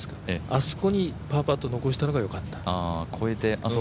あそこにパーパットを残したのがよかった。